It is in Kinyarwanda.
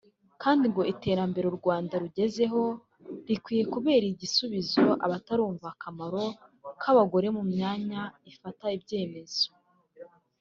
kandi ngo iterambere u Rwanda rugezeho rikwiye kubera igisubizo abatarumva akamaro k’abagore mu myanya ifata ibyemezo